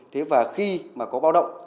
thế và khi mà có báo động